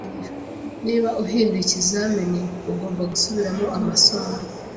Niba uhinduye ikizamini, ugomba gusubiramo amasomo